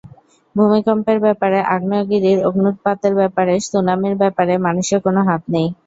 ভূমিকম্পের ব্যাপারে, আগ্নেয়গিরির অগ্ন্যুৎপাতের ব্যাপারে, সুনামির ব্যাপারে মানুষের কোনো হাত নেই।